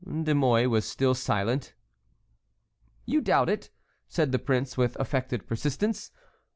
De Mouy was still silent. "You doubt it?" said the prince with affected persistence.